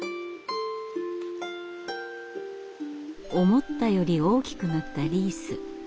思ったより大きくなったリース。